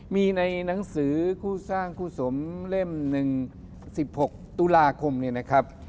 มีในหนังสือคู่สร้างคู่สมเล่ม๑๑๖ตุลาคมเนี่ยนะครับ